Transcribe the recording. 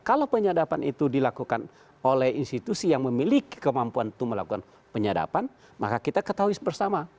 kalau penyadapan itu dilakukan oleh institusi yang memiliki kemampuan untuk melakukan penyadapan maka kita ketahui bersama